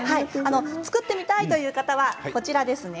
作ってみたいという方はこちらですね